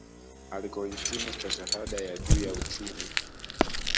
Alikohitimu stashahada ya juu ya uchumi